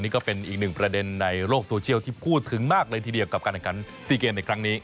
นี่ก็เป็นอีกหนึ่งประเด็นในโลกโซเชียลที่พูดถึงมากเลยทีเดียวกับการแข่งขัน๔เกมในครั้งนี้